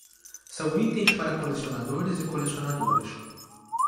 São itens para colecionadores e colecionadoras